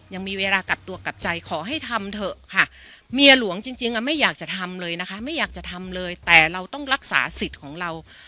ยังมีเวลากลับตัวกลับใจขอให้ทำเถอะค่ะเมียหลวงจริงไม่อยากจะทำเลยนะคะไม่อยากจะทำเลยแต่เราต้องรักษาสิทธิ์ของเรา